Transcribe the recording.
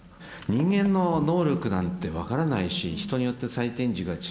人間の能力なんて分からないし人によって採点軸が違うんだと。